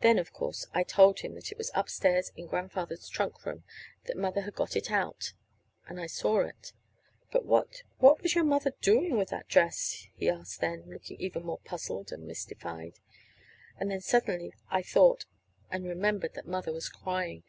Then, of course, I told him that it was upstairs in Grandfather's trunk room; that Mother had got it out, and I saw it. "But, what was your mother doing with that dress?" he asked then, looking even more puzzled and mystified. And then suddenly I thought and remembered that Mother was crying.